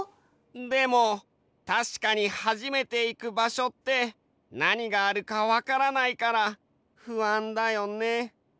でもたしかに初めていく場所ってなにがあるかわからないから不安だよね。